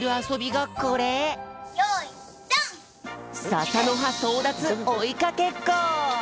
ささのはそうだつおいかけっこ！